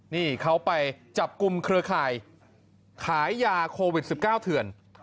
นี่เขาไปจับกลุ่มเครือข่ายขายยาโควิด๑๙เถื่อน